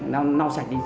nào sạch đi